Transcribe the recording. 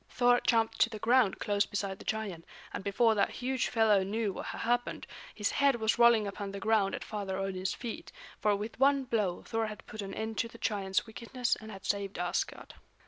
Thor jumped to the ground close beside the giant, and before that huge fellow knew what had happened, his head was rolling upon the ground at Father Odin's feet; for with one blow Thor had put an end to the giant's wickedness and had saved Asgard.